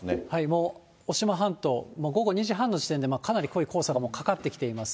もう渡島半島、午後２時半の時点で、かなり濃い黄砂がかかってきています。